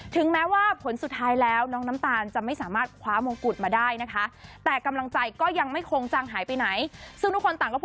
ถึงแม้ว่าผลสุดท้ายแล้วน้องน้ำตาลจะไม่สามารถ